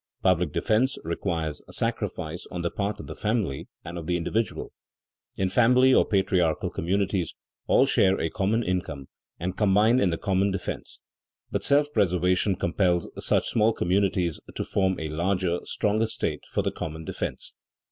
Public defense requires sacrifice on the part of the family and of the individual. In family or patriarchal communities all share a common income and combine in the common defense, but self preservation compels such small communities to form a larger, stronger state for the common defense.